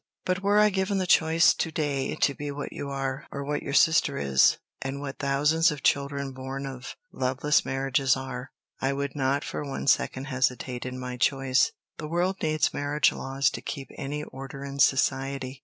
But were I given the choice to day to be what you are, or what your sister is, and what thousands of children born of loveless marriages are, I would not for one second hesitate in my choice. The world needs marriage laws to keep any order in society.